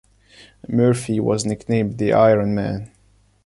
Murphy was nicknamed the Iron Man.